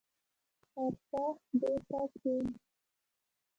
ارڅه دولته کينه.